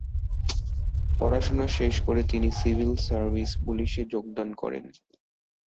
পড়াশোনা শেষ করে তিনি সিভিল সার্ভিস পুলিশে যোগদান করেন।